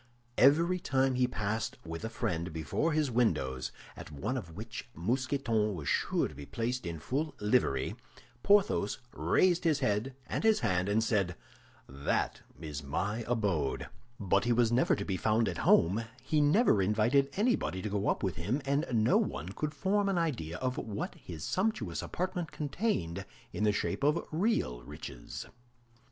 Every time he passed with a friend before his windows, at one of which Mousqueton was sure to be placed in full livery, Porthos raised his head and his hand, and said, "That is my abode!" But he was never to be found at home; he never invited anybody to go up with him, and no one could form an idea of what his sumptuous apartment contained in the shape of real riches.